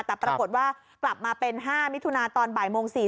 แต่ปรากฏว่ากลับมาเป็น๕มิถุนาตอนบ่ายโมง๔